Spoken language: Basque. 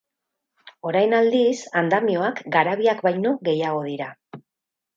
Orain aldiz, andamioak garabiak baino gehiago dira.